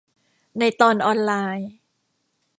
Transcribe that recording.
ในตอนออนไลน์